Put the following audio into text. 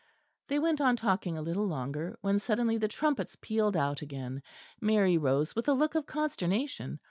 They went on talking a little longer; when suddenly the trumpets pealed out again. Mary rose with a look of consternation.